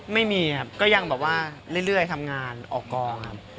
ไม่มีครับก็ยังแบบว่าเรื่อยทำงานออกกองครับ